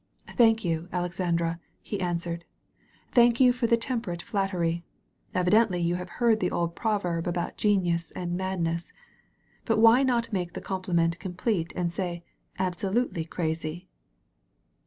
''Thank you, Alexandra," he answered, ''thank you for the temperate flattery. Evidently you have heard the old proverb about genius and madness. But why not make the compliment complete and say 'absolutely crazy'?"